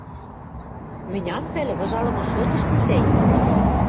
Мӹнь ам пӓлӹ, выжалымы шотышты, сӓй.